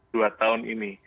dua tahun ini